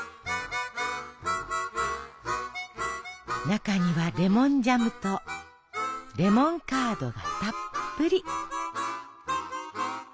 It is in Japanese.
中にはレモンジャムとレモンカードがたっぷり。